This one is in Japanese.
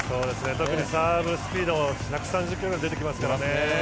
特にサーブスピード１３０キロぐらい出てきますからね。